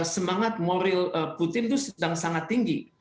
semangat moral putin itu sedang sangat tinggi